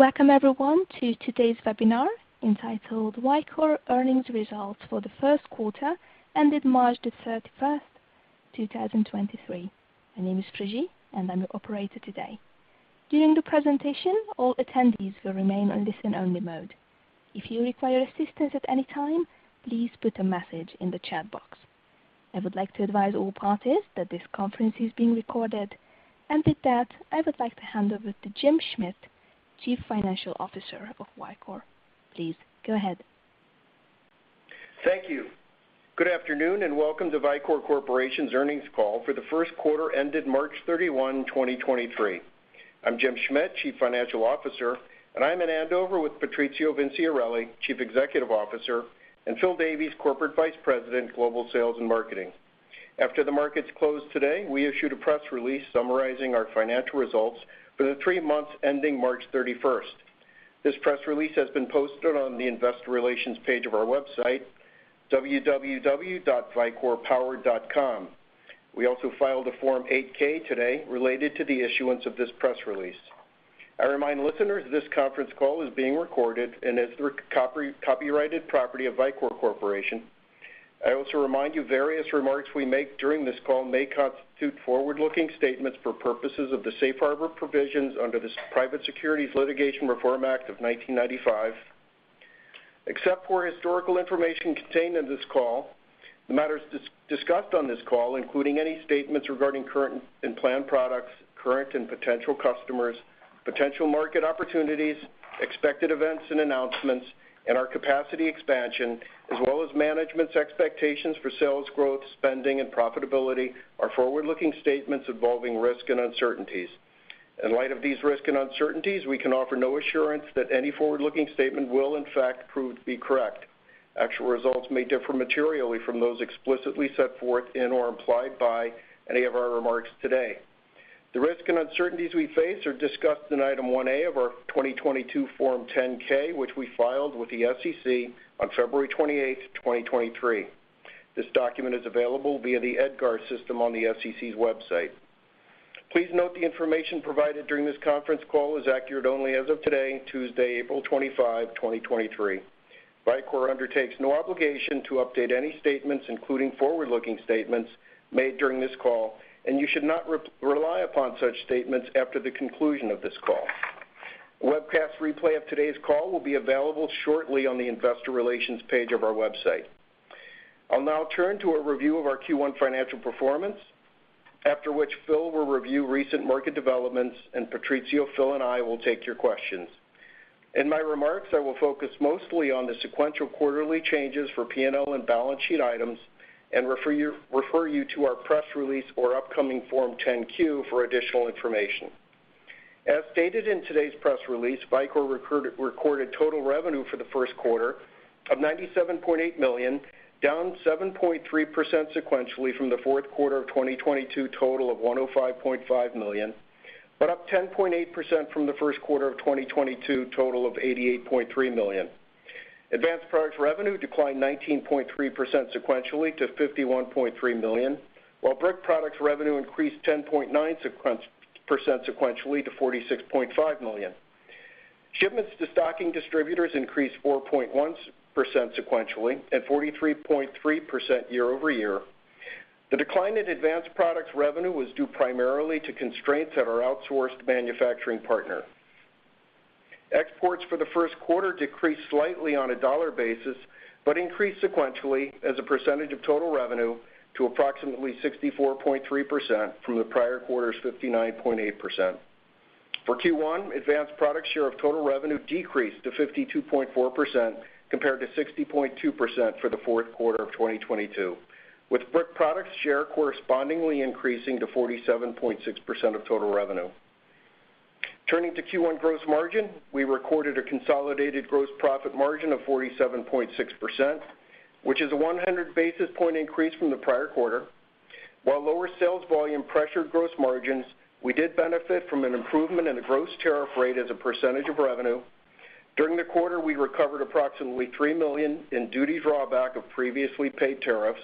Welcome everyone to today's webinar entitled Vicor Earnings Results for the First Quarter Ended March 31st, 2023. My name is Trichy, and I'm your operator today. During the presentation, all attendees will remain on listen-only mode. If you require assistance at any time, please put a message in the chat box. I would like to advise all parties that this conference is being recorded. With that, I would like to hand over to Jim Schmidt, Chief Financial Officer of Vicor. Please go ahead. Thank you. Good afternoon, welcome to Vicor Corporation's Earnings Call for the first quarter ended March 31, 2023. I'm Jim Schmidt, Chief Financial Officer, and I'm in Andover with Patrizio Vinciarelli, Chief Executive Officer, and Phil Davies, Corporate Vice President, Global Sales and Marketing. After the markets closed today, we issued a press release summarizing our financial results for the three months ending March 31st. This press release has been posted on the investor relations page of our website, www.vicorpower.com. We also filed a Form 8-K today related to the issuance of this press release. I remind listeners this conference call is being recorded and is the copy-copyrighted property of Vicor Corporation. I also remind you various remarks we make during this call may constitute forward-looking statements for purposes of the safe harbor provisions under the Private Securities Litigation Reform Act of 1995. Except for historical information contained in this call, the matters discussed on this call, including any statements regarding current and planned products, current and potential customers, potential market opportunities, expected events and announcements, and our capacity expansion, as well as management's expectations for sales growth, spending, and profitability, are forward-looking statements involving risk and uncertainties. In light of these risks and uncertainties, we can offer no assurance that any forward-looking statement will in fact prove to be correct. Actual results may differ materially from those explicitly set forth in or implied by any of our remarks today. The risks and uncertainties we face are discussed in Item 1A of our 2022 Form 10-K, which we filed with the SEC on February 28, 2023. This document is available via the EDGAR system on the SEC's website. Please note the information provided during this conference call is accurate only as of today, Tuesday, April 25, 2023. Vicor undertakes no obligation to update any statements, including forward-looking statements, made during this call, and you should not rely upon such statements after the conclusion of this call. A webcast replay of today's call will be available shortly on the investor relations page of our website. I'll now turn to a review of our Q1 financial performance. After which, Phil will review recent market developments, and Patrizio, Phil, and I will take your questions. In my remarks, I will focus mostly on the sequential quarterly changes for P&L and balance sheet items and refer you to our press release or upcoming Form 10-Q for additional information. As stated in today's press release, Vicor recorded total revenue for the first quarter of $97.8 million, down 7.3% sequentially from the fourth quarter of 2022 total of $105.5 million, up 10.8% from the first quarter of 2022 total of $88.3 million. Advanced products revenue declined 19.3% sequentially to $51.3 million, while brick products revenue increased 10.9% sequentially to $46.5 million. Shipments to stocking distributors increased 4.1% sequentially and 43.3% year-over-year. The decline in advanced products revenue was due primarily to constraints at our outsourced manufacturing partner. Exports for the first quarter decreased slightly on a dollar basis, but increased sequentially as a percentage of total revenue to approximately 64.3% from the prior quarter's 59.8%. For Q1, advanced product share of total revenue decreased to 52.4% compared to 60.2% for the fourth quarter of 2022, with brick products share correspondingly increasing to 47.6% of total revenue. Turning to Q1 gross margin, we recorded a consolidated gross profit margin of 47.6%, which is a 100 basis point increase from the prior quarter. While lower sales volume pressured gross margins, we did benefit from an improvement in the gross tariff rate as a percentage of revenue. During the quarter, we recovered approximately $3 million in duty drawback of previously paid tariffs.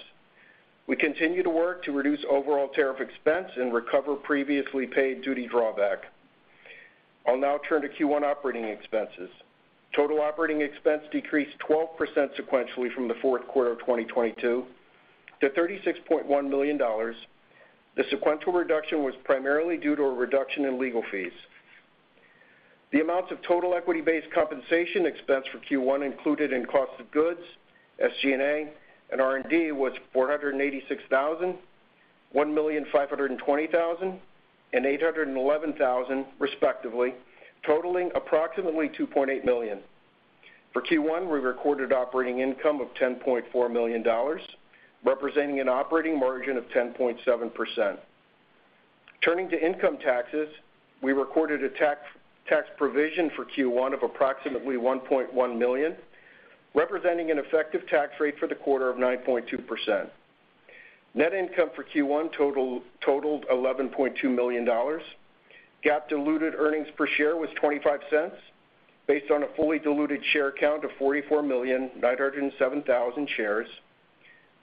We continue to work to reduce overall tariff expense and recover previously paid duty drawback. I'll now turn to Q1 operating expenses. Total operating expense decreased 12% sequentially from the fourth quarter of 2022 to $36.1 million. The sequential reduction was primarily due to a reduction in legal fees. The amounts of total equity-based compensation expense for Q1 included in cost of goods, SG&A, and R&D was $486,000, $1.52 million, and $811,000, respectively, totaling approximately $2.8 million. For Q1, we recorded operating income of $10.4 million, representing an operating margin of 10.7%. Turning to income taxes, we recorded a tax provision for Q1 of approximately $1.1 million, representing an effective tax rate for the quarter of 9.2%. Net income for Q1 totaled $11.2 million. GAAP diluted EPS was $0.25 based on a fully diluted share count of 44,907,000 shares.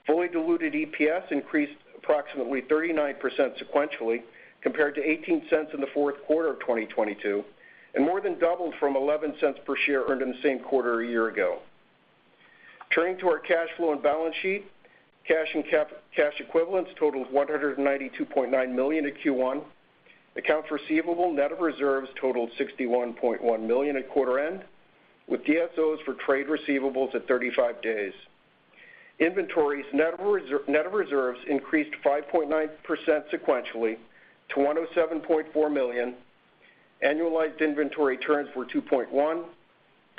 Fully diluted EPS increased approximately 39% sequentially compared to $0.18 in the fourth quarter of 2022, and more than doubled from $0.11 per share earned in the same quarter a year ago. Turning to our cash flow and balance sheet, cash and cash equivalents totaled $192.9 million in Q1. Accounts receivable net of reserves totaled $61.1 million at quarter end, with DSOs for trade receivables at 35 days. Inventories net of reserves increased 5.9% sequentially to $107.4 million. Annualized inventory turns were 2.1.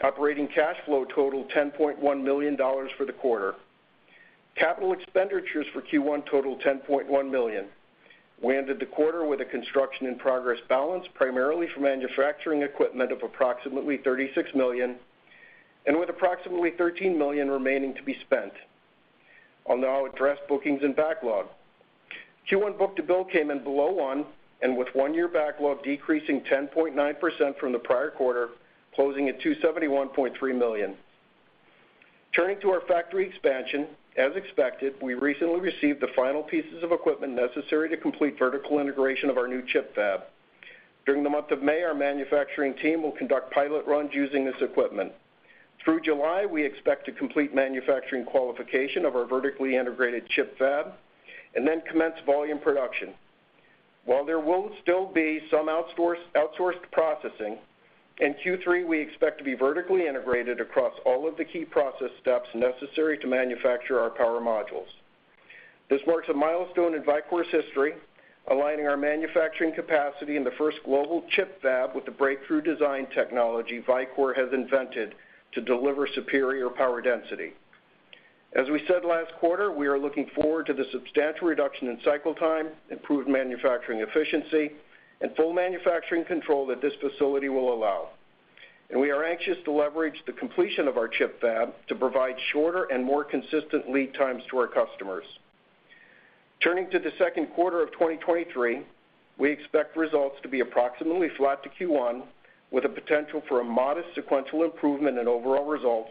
Operating cash flow totaled $10.1 million for the quarter. Capital expenditures for Q1 totaled $10.1 million. We ended the quarter with a construction in progress balance, primarily from manufacturing equipment of approximately $36 million, and with approximately $13 million remaining to be spent. I'll now address bookings and backlog. Q1 book-to-bill came in below one. With one-year backlog decreasing 10.9% from the prior quarter, closing at $271.3 million. Turning to our factory expansion, as expected, we recently received the final pieces of equipment necessary to complete vertical integration of our new chip fab. During the month of May, our manufacturing team will conduct pilot runs using this equipment. Through July, we expect to complete manufacturing qualification of our vertically integrated chip fab and then commence volume production. While there will still be some outsourced processing, in Q3, we expect to be vertically integrated across all of the key process steps necessary to manufacture our power modules. This marks a milestone in Vicor's history, aligning our manufacturing capacity in the first global ChiP fab with the breakthrough design technology Vicor has invented to deliver superior power density. As we said last quarter, we are looking forward to the substantial reduction in cycle time, improved manufacturing efficiency, and full manufacturing control that this facility will allow. We are anxious to leverage the completion of our ChiP fab to provide shorter and more consistent lead times to our customers. Turning to the second quarter of 2023, we expect results to be approximately flat to Q1, with a potential for a modest sequential improvement in overall results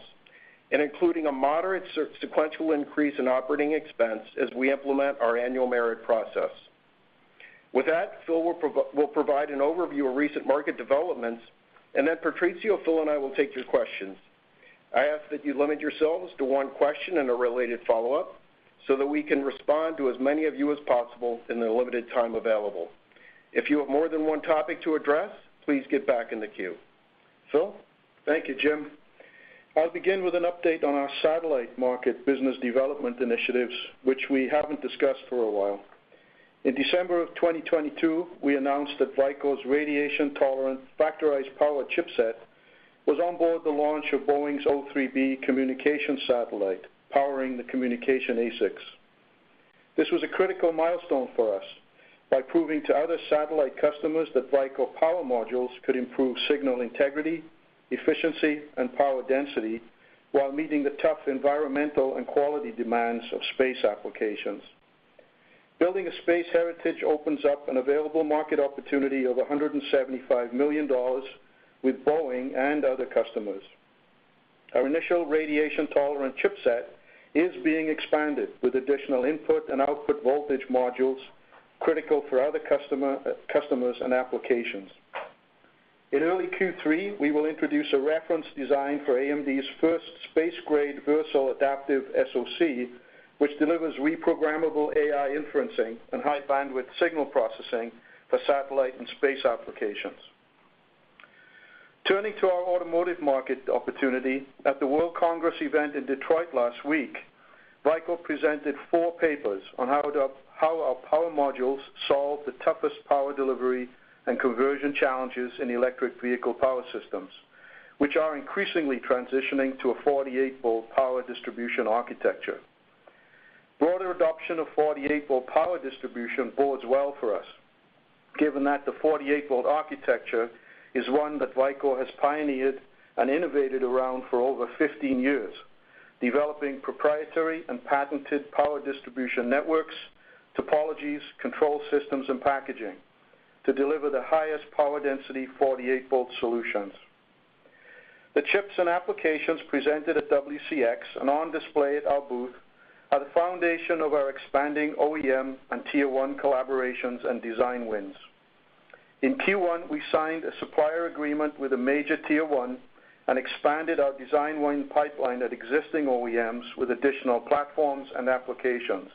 and including a moderate sequential increase in OpEx as we implement our annual merit process. With that, Phil will provide an overview of recent market developments. Patrizio, Phil, and I will take your questions. I ask that you limit yourselves to one question and a related follow-up so that we can respond to as many of you as possible in the limited time available. If you have more than one topic to address, please get back in the queue. Phil? Thank you, Jim. I'll begin with an update on our satellite market business development initiatives, which we haven't discussed for a while. In December of 2022, we announced that Vicor's radiation-tolerant Factorized Power chipset was on board the launch of Boeing's O3b communication satellite, powering the communication ASICs. This was a critical milestone for us by proving to other satellite customers that Vicor power modules could improve signal integrity, efficiency, and power density while meeting the tough environmental and quality demands of space applications. Building a space heritage opens up an available market opportunity of $175 million with Boeing and other customers. Our initial radiation-tolerant chipset is being expanded with additional input and output voltage modules critical for other customers and applications. In early Q3, we will introduce a reference design for AMD's first space-grade Versal adaptive SoC, which delivers reprogrammable AI inferencing and high-bandwidth signal processing for satellite and space applications. Turning to our automotive market opportunity, at the World Congress event in Detroit last week, Vicor presented four papers on how our power modules solve the toughest power delivery and conversion challenges in electric vehicle power systems, which are increasingly transitioning to a 48-volt power distribution architecture. Broader adoption of 48-volt power distribution bodes well for us, given that the 48-volt architecture is one that Vicor has pioneered and innovated around for over 15 years, developing proprietary and patented power distribution networks, topologies, control systems, and packaging to deliver the highest power density 48-volt solutions. The chips and applications presented at WCX and on display at our booth are the foundation of our expanding OEM and Tier 1 collaborations and design wins. In Q1, we signed a supplier agreement with a major Tier One and expanded our design win pipeline at existing OEMs with additional platforms and applications.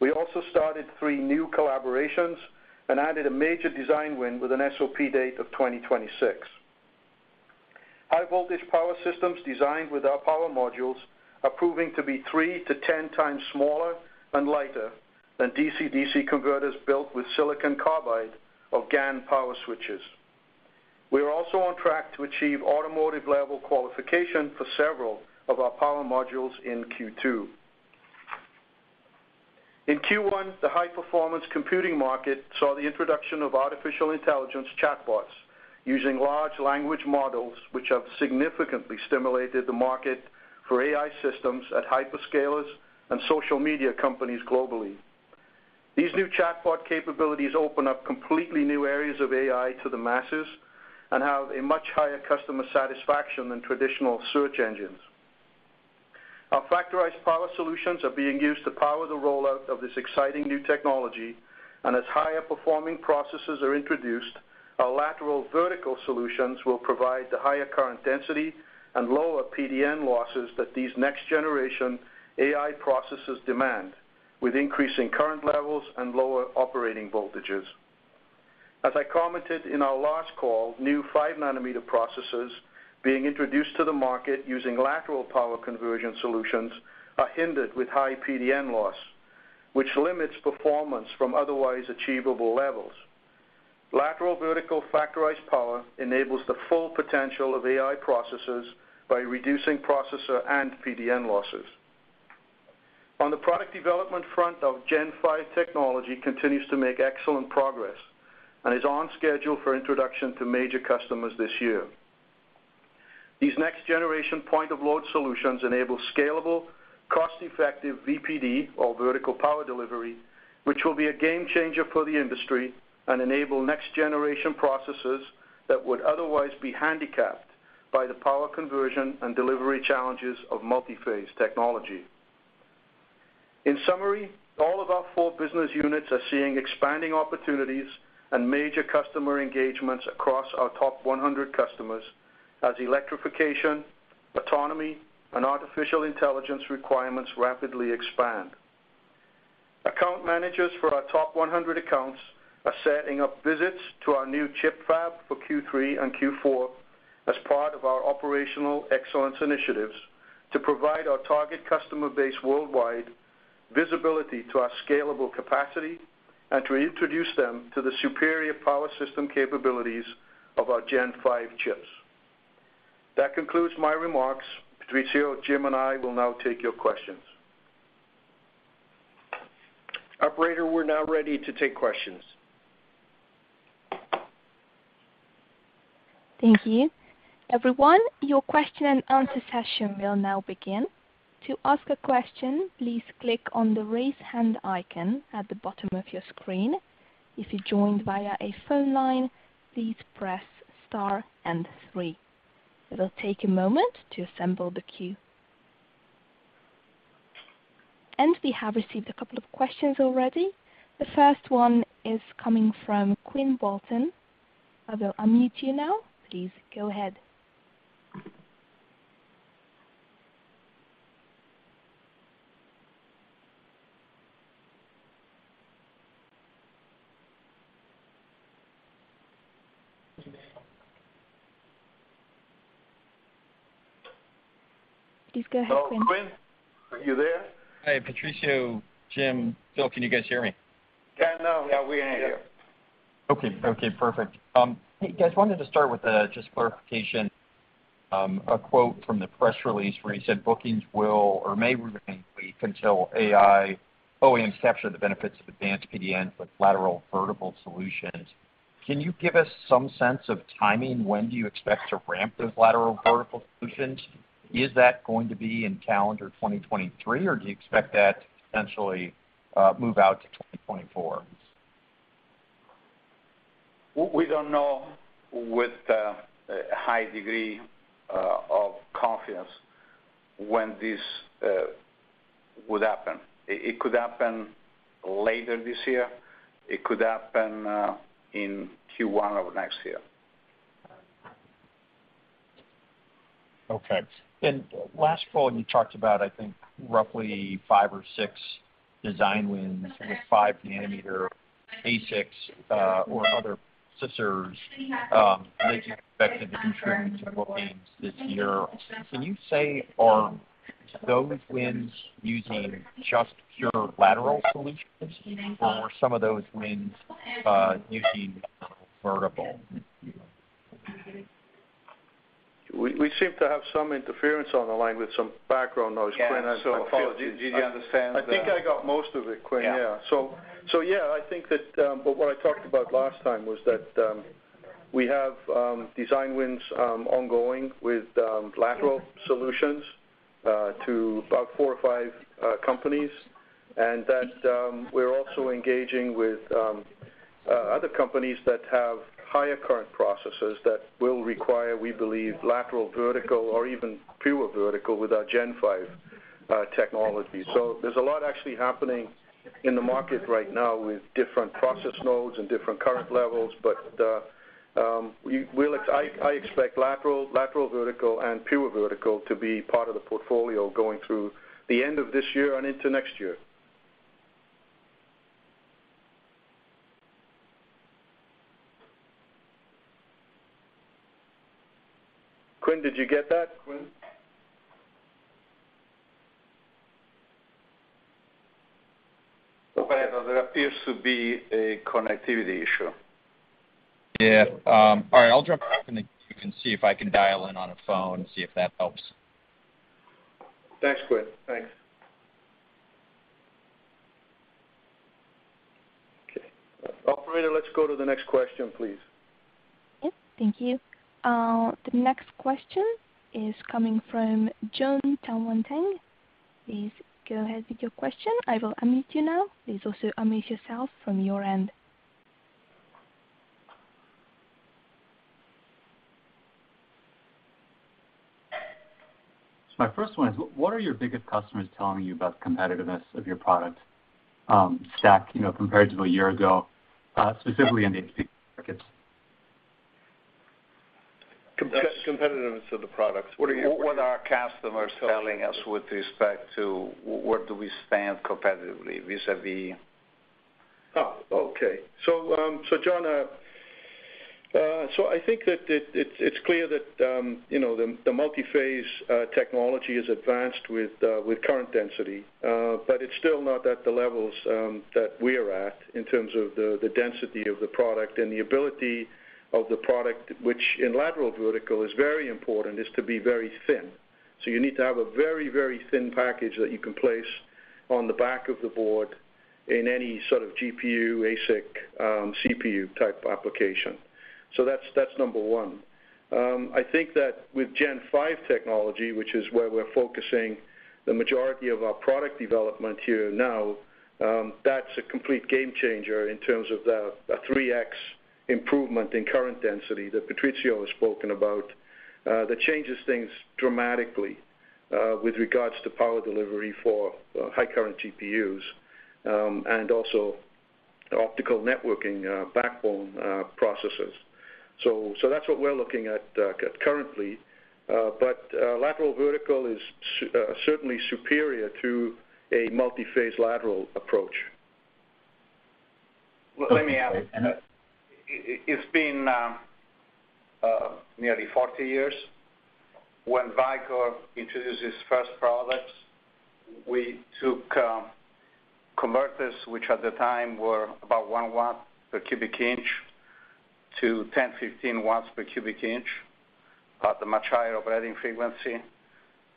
We also started three new collaborations and added a major design win with an SOP date of 2026. High-voltage power systems designed with our power modules are proving to be 3x to 10x smaller and lighter than DC/DC converters built with silicon carbide or GaN power switches. We are also on track to achieve automotive-level qualification for several of our power modules in Q2. In Q1, the high-performance computing market saw the introduction of artificial intelligence chatbots using large language models, which have significantly stimulated the market for AI systems at hyperscalers and social media companies globally. These new chatbot capabilities open up completely new areas of AI to the masses and have a much higher customer satisfaction than traditional search engines. Our Factorized Power solutions are being used to power the rollout of this exciting new technology. As higher-performing processes are introduced, our lateral vertical solutions will provide the higher current density and lower PDN losses that these next-generation AI processes demand, with increasing current levels and lower operating voltages. As I commented in our last call, new 5 nm processes being introduced to the market using lateral power conversion solutions are hindered with high PDN loss, which limits performance from otherwise achievable levels. Lateral vertical Factorized Power enables the full potential of AI processes by reducing processor and PDN losses. On the product development front, our Gen 5 technology continues to make excellent progress and is on schedule for introduction to major customers this year. These next-generation point-of-load solutions enable scalable, cost-effective VPD, or vertical power delivery, which will be a game-changer for the industry and enable next-generation processes that would otherwise be handicapped by the power conversion and delivery challenges of multi-phase technology. All of our four business units are seeing expanding opportunities and major customer engagements across our top 100 customers as electrification, autonomy, and artificial intelligence requirements rapidly expand. Account managers for our top 100 accounts are setting up visits to our new chip fab for Q3 and Q4 as part of our operational excellence initiatives to provide our target customer base worldwide visibility to our scalable capacity and to introduce them to the superior power system capabilities of our Gen 5 chips. That concludes my remarks. Patrizio, Jim, and I will now take your questions. Operator, we're now ready to take questions. Thank you. Everyone, your question-and-answer session will now begin. To ask a question, please click on the Raise Hand icon at the bottom of your screen. If you joined via a phone line, please press Star and three. It'll take a moment to assemble the queue. We have received a couple of questions already. The first one is coming from Quinn Bolton. I will unmute you now. Please go ahead. Please go ahead, Quinn.Hello, Quinn, are you there? Hi, Patrizio, Jim, Phil, can you guys hear me? Yeah, now we can hear you. Okay. Okay, perfect. Hey, guys, wanted to start with just clarification, a quote from the press release where you said bookings will or may remain weak until AI OEMs capture the benefits of advanced PDN with lateral vertical solutions. Can you give us some sense of timing? When do you expect to ramp those lateral vertical solutions? Is that going to be in calendar 2023, or do you expect that to potentially move out to 2024? We don't know with a high degree of confidence when this would happen. It could happen later this year. It could happen in Q1 of next year. Okay. Last fall, you talked about, I think, roughly five or six design wins with 5 nm ASICs, or other systems, that you expected to contribute to bookings this year. Can you say, are those wins using just pure lateral solutions, or were some of those wins, using vertical? We seem to have some interference on the line with some background noise, Quinn. Yeah, Phil, did you understand? I think I got most of it, Quinn. Yeah. Yeah, I think that what I talked about last time was that we have design wins ongoing with lateral solutions to about four or five companies. We're also engaging with other companies that have higher current processes that will require, we believe, lateral vertical or even pure vertical with our Gen 5 technology. There's a lot actually happening in the market right now with different process nodes and different current levels. I expect lateral vertical and pure vertical to be part of the portfolio going through the end of this year and into next year. Quinn, did you get that? Quinn? There appears to be a connectivity issue. Yeah. All right, I'll drop off and you can see if I can dial in on a phone and see if that helps. Thanks, Quinn. Thanks. Operator, let's go to the next question, please. Yes. Thank you. The next question is coming from Jon Tanwanteng. Please go ahead with your question. I will unmute you now. Please also unmute yourself from your end. My first one is, what are your biggest customers telling you about the competitiveness of your product, stack, you know, compared to a year ago, specifically in the markets competitiveness of the products. What are you...What are our customers telling us with respect to where do we stand competitively vis-à-vis... Okay. Jon, I think that it's clear that, you know, the multi-phase technology is advanced with current density. But it's still not at the levels that we're at in terms of the density of the product and the ability of the product, which in lateral vertical is very important, is to be very thin. You need to have a very, very thin package that you can place on the back of the board in any sort of GPU, ASIC, CPU type application. That's number one. I think that with Gen 5 technology, which is where we're focusing the majority of our product development here now, that's a complete game changer in terms of the 3x improvement in current density that Patrizio has spoken about, that changes things dramatically with regards to power delivery for high current GPUs and also optical networking backbone processes. That's what we're looking at currently. Lateral vertical is certainly superior to a multi-phase lateral approach. Let me add. It's been nearly 40 years when Vicor introduced its first products. We took converters, which at the time were about 1 W per cubic inch to 10, 15 W per cubic inch, at the much higher operating frequency.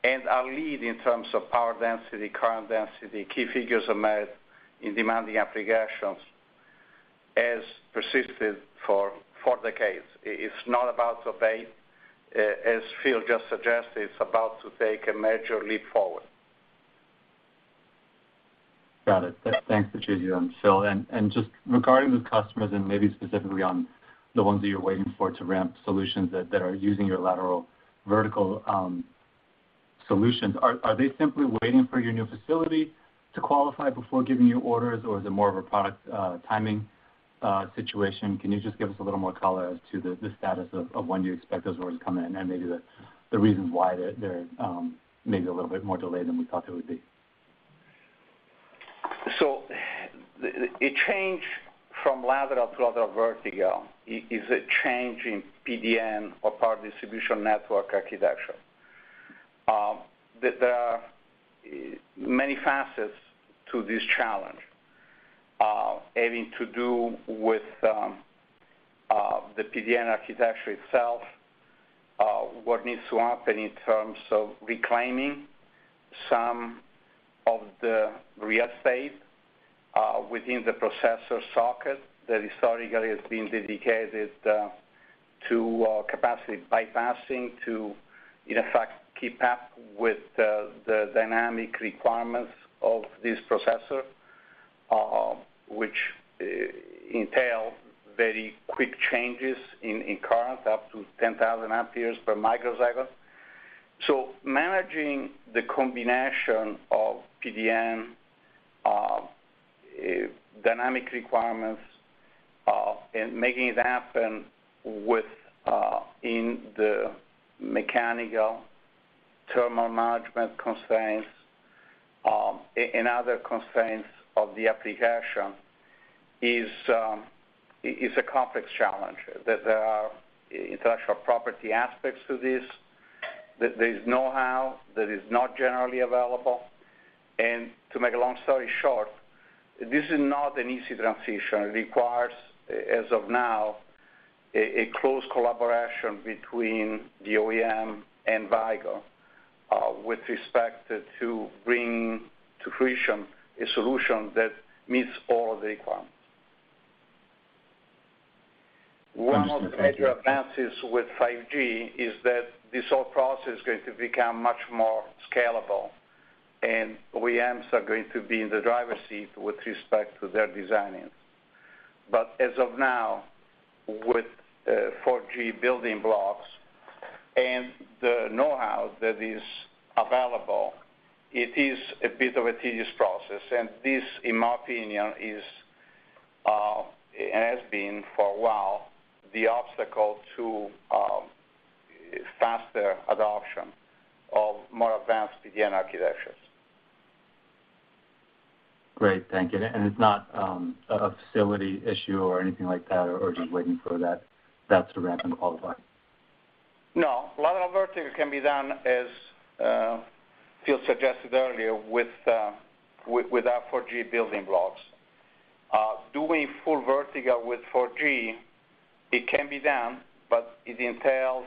Our lead in terms of power density, current density, key figures are made in demanding applications, has persisted for four decades. It's not about to fade. As Phil just suggested, it's about to take a major leap forward. Got it. Thanks, Patrizio and Phil. Just regarding the customers, and maybe specifically on the ones that you're waiting for to ramp solutions that are using your lateral vertical solutions, are they simply waiting for your new facility to qualify before giving you orders, or is it more of a product timing situation? Can you just give us a little more color as to the status of when you expect those orders to come in, and maybe the reasons why they're maybe a little bit more delayed than we thought it would be? A change from lateral to lateral vertical is a change in PDN or Power Distribution Network architecture. There are many facets to this challenge, having to do with the PDN architecture itself, what needs to happen in terms of reclaiming some of the real estate within the processor socket that historically has been dedicated to capacity bypassing to, in fact, keep up with the dynamic requirements of this processor, which entail very quick changes in current, up to 10,000 amps per microcycle. Managing the combination of PDN dynamic requirements and making it happen with in the mechanical thermal management constraints and other constraints of the application is a complex challenge. There are intellectual property aspects to this, that there is know-how that is not generally available. To make a long story short, this is not an easy transition. It requires, as of now, a close collaboration between the OEM and Vicor, with respect to bring to fruition a solution that meets all the requirements. One of the major advances with 5G is that this whole process is going to become much more scalable, and OEMs are going to be in the driver's seat with respect to their designing. As of now, with 4G building blocks and the know-how that is available, it is a bit of a tedious process. This, in my opinion, is and has been for a while, the obstacle to faster adoption of more advanced PDN architectures. Great. Thank you. It's not a facility issue or anything like that, or just waiting for that to ramp and qualify? No. Lateral vertical can be done, as Phil suggested earlier, with with our 4G building blocks. Doing full vertical with 4G, it can be done, but it entails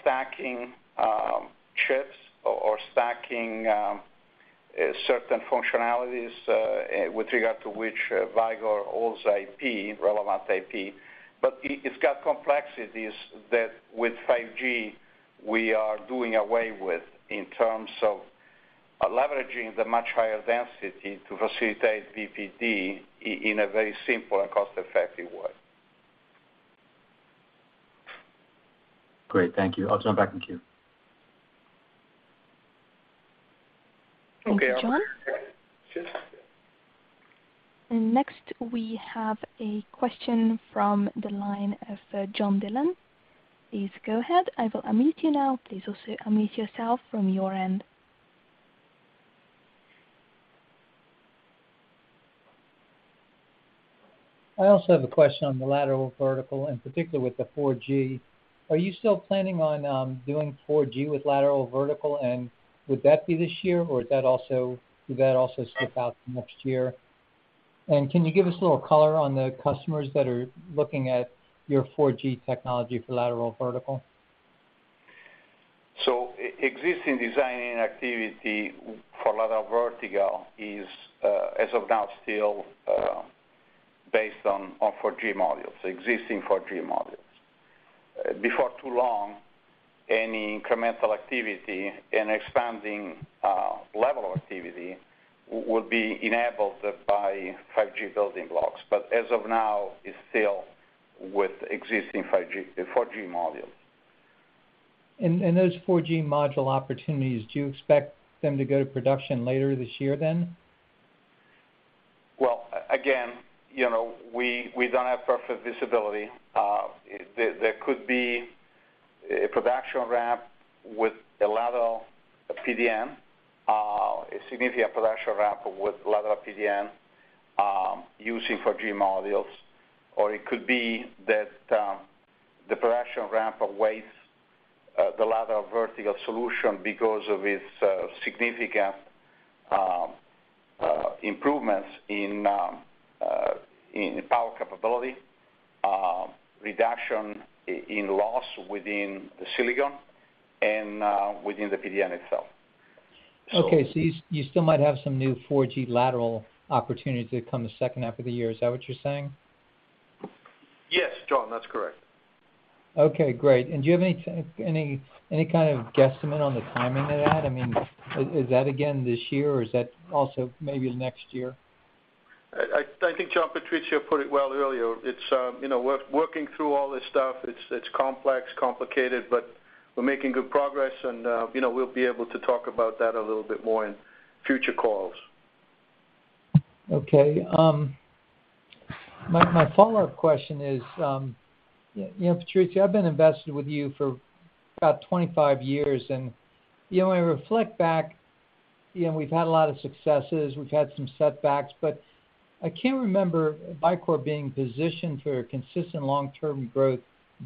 stacking chips or stacking certain functionalities, with regard to which Vicor holds IP, relevant IP. It's got complexities that with 5G, we are doing away with in terms of leveraging the much higher density to facilitate BPD in a very simple and cost-effective way. Great. Thank you. I'll jump back in queue. Thank you, Jon. Okay. Sure. Next, we have a question from the line of John Dillon. Please go ahead. I will unmute you now. Please also unmute yourself from your end. I also have a question on the lateral vertical, in particular with the 4G. Are you still planning on doing 4G with lateral vertical, and would that be this year, or is that also would that also slip out to next year? Can you give us a little color on the customers that are looking at your 4G technology for lateral vertical? Existing designing activity for lateral vertical is as of now still based on 4G modules, existing 4G modules. Before too long, any incremental activity and expanding level of activity will be enabled by 5G building blocks. As of now, it's still with existing 4G modules. Those 4G module opportunities, do you expect them to go to production later this year then? Again, you know, we don't have perfect visibility. There could be a production ramp with a lateral PDN, a significant production ramp with lateral PDN, using 4G modules, or it could be that the production ramp awaits the lateral vertical solution because of its significant improvements in power capability, reduction in loss within the silicon and within the PDN itself. You still might have some new 4G lateral opportunities to come the second half of the year. Is that what you're saying? Yes, John, that's correct. Okay, great. Do you have any kind of guesstimate on the timing of that? I mean, is that again this year, or is that also maybe next year? I think John, Patrizio put it well earlier. It's, you know, we're working through all this stuff. It's, it's complex, complicated, but we're making good progress and, you know, we'll be able to talk about that a little bit more in future calls. Okay. My follow-up question is, you know, Patrizio, I've been invested with you for about 25 years, and, you know, when I reflect back, you know, we've had a lot of successes, we've had some setbacks, but I can't remember Vicor being positioned for consistent long-term growth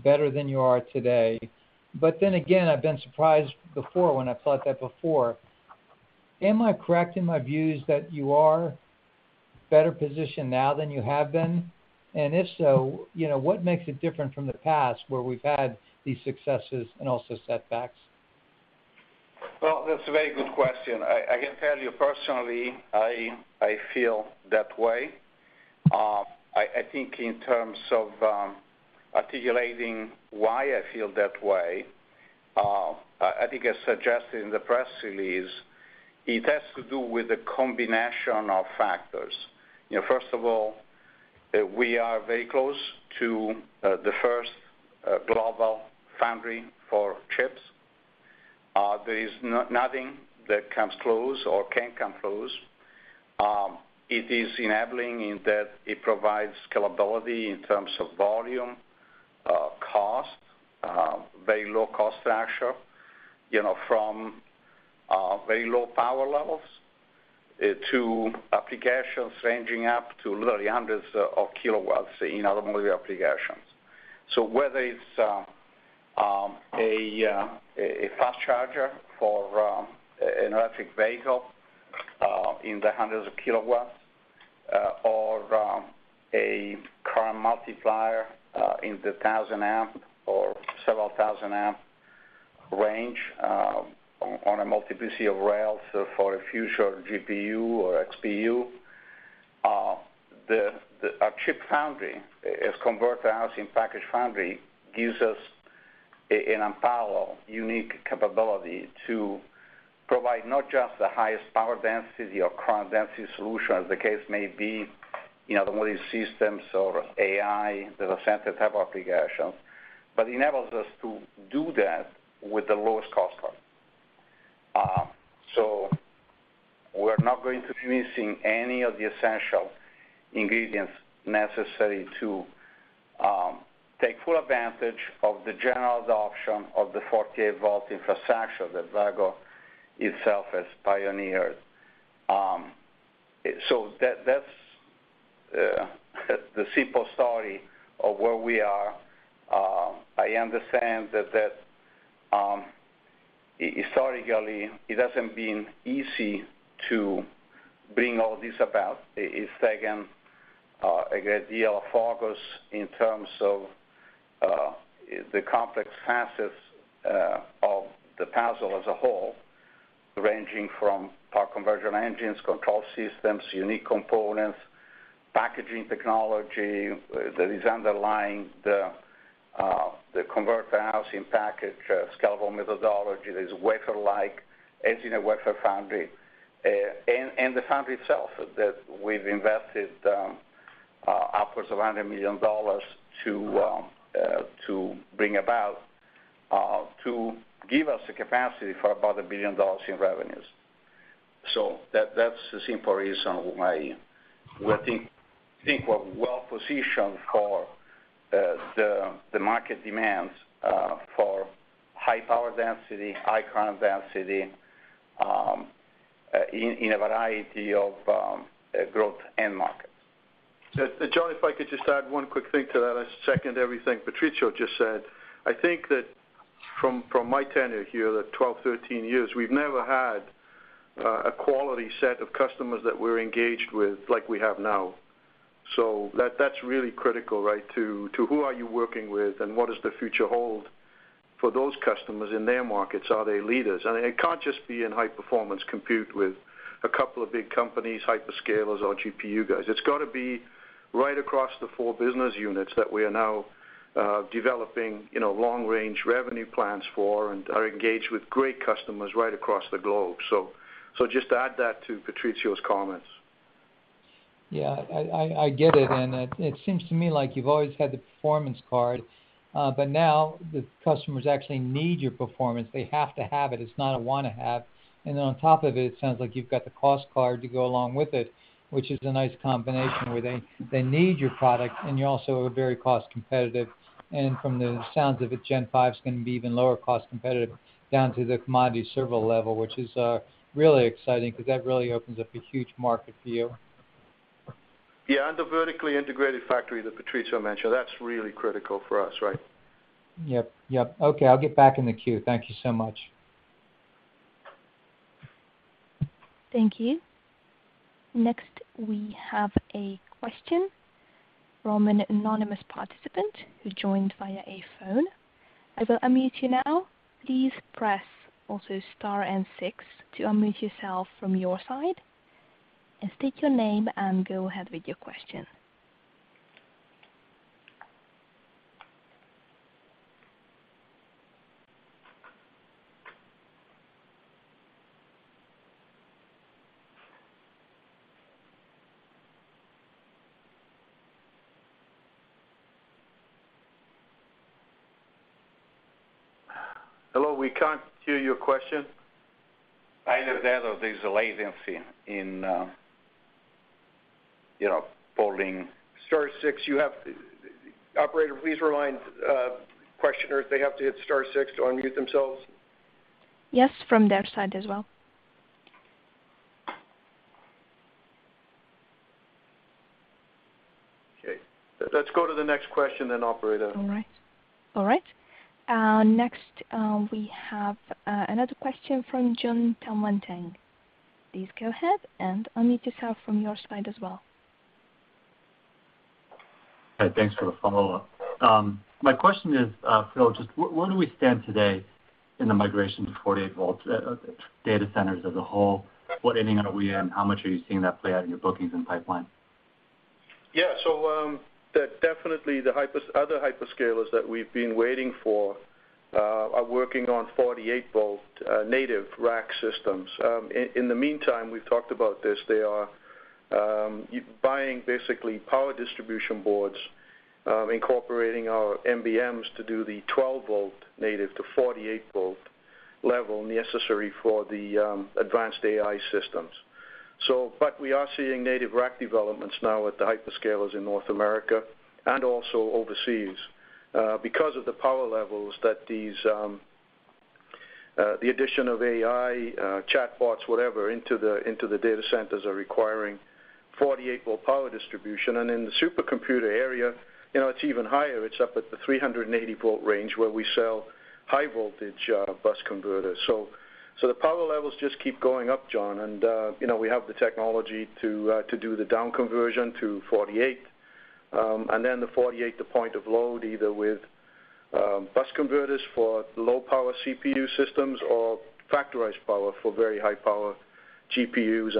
better than you are today. Then again, I've been surprised before when I thought that before. Am I correct in my views that you are better positioned now than you have been? If so, you know, what makes it different from the past where we've had these successes and also setbacks? Well, that's a very good question. I can tell you personally, I feel that way. I think in terms of articulating why I feel that way, I think I suggested in the press release it has to do with the combination of factors. You know, first of all, we are very close to the first global foundry for chips. There is nothing that comes close or can come close. It is enabling in that it provides scalability in terms of volume, cost, very low cost structure, you know, from very low power levels to applications ranging up to literally hundreds of kilowatts in automotive applications. Whether it's a fast charger for an electric vehicle in the hundreds of kilowatts or a current multiplier in the 1,000 amp or several thousand amp range on a multiplicity of rails for a future GPU or XPU. Our ChiP fab, Converter housed in Package foundry, gives us an unparalleled, unique capability to provide not just the highest power density or current density solution as the case may be, you know, the modern systems or AI, data center type applications, but enables us to do that with the lowest cost point. We're not going to be missing any of the essential ingredients necessary to take full advantage of the general adoption of the 48 volt infrastructure that Vicor itself has pioneered. That, that's the simple story of where we are. I understand that, Historically, it hasn't been easy to bring all this about. It's taken a great deal of focus in terms of the complex facets of the puzzle as a whole, ranging from power conversion engines, control systems, unique components, packaging technology that is underlying the converter housing package, skeletal methodology. There's wafer-like engine and wafer foundry, and the foundry itself that we've invested upwards of $100 million to bring about to give us the capacity for about $1 billion in revenues. That-that's the simple reason why we think we're well-positioned for the market demands for high power density, high current density, in a variety of growth end markets. John, if I could just add one quick thing to that. I second everything Patrizio just said. I think that from my tenure here, the 12, 13 years, we've never had a quality set of customers that we're engaged with like we have now. That's really critical, right, to who are you working with, and what does the future hold for those customers in their markets? Are they leaders? It can't just be in high-performance compute with a couple of big companies, hyperscalers or GPU guys. It's got to be right across the 4 business units that we are now developing, you know, long-range revenue plans for and are engaged with great customers right across the globe. Just to add that to Patrizio's comments. Yeah. I get it. It, it seems to me like you've always had the performance card, but now the customers actually need your performance. They have to have it. It's not a wanna have. Then on top of it sounds like you've got the cost card to go along with it, which is a nice combination where they need your product, and you're also very cost competitive. From the sounds of it, Gen 5 is gonna be even lower cost competitive down to the commodity server level, which is really exciting because that really opens up a huge market for you. Yeah, the vertically integrated factory that Patrizio mentioned, that's really critical for us, right? Yep. Okay, I'll get back in the queue. Thank you so much. Thank you. Next, we have a question from an anonymous participant who joined via a phone. I will unmute you now. Please press also star and six to unmute yourself from your side and state your name and go ahead with your question. Hello, we can't hear your question. Either that or there's a latency in, you know, polling. Star six. Operator, please remind questioner if they have to hit star six to unmute themselves. Yes, from their side as well. Okay. Let's go to the next question then, operator. All right. All right. Next, we have another question from Jon Tanwanteng. Please go ahead and unmute yourself from your side as well. Hi. Thanks for the follow-up. My question is, Phil, just where do we stand today in the migration to 48 volts, data centers as a whole? What ending are we in? How much are you seeing that play out in your bookings and pipeline? Definitely other hyperscalers that we've been waiting for are working on 48 volt native rack systems. In the meantime, we've talked about this, they are buying basically power distribution boards, incorporating our MBMs to do the 12 Volt native to 48 Volt level necessary for the advanced AI systems. We are seeing native rack developments now at the hyperscalers in North America and also overseas because of the power levels that these the addition of AI, chatbots, whatever, into the data centers are requiring 48 Volt power distribution. In the supercomputer area, you know, it's even higher. It's up at the 380 Volt range where we sell high voltage bus converters. The power levels just keep going up, Joh. You know, we have the technology to do the down conversion to 48, and then the 48 to point of load, either with bus converters for low power CPU systems or Factorized Power for very high power GPUs and